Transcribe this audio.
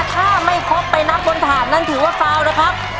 ถ้าไม่ครบไปนับบนถาดนั้นถือว่าฟาวนะครับ